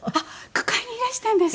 句会にいらしたんですか？